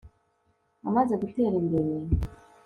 amaze gutera imbere